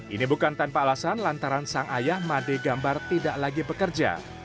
ini bukan tanpa alasan lantaran sang ayah made gambar tidak lagi bekerja